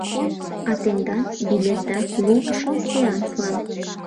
А тендан билетда луымшо сеанслан.